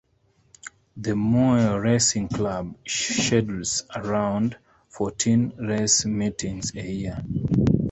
The Moe Racing Club schedules around fourteen race meetings a year.